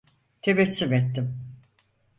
Tebessüm ettim.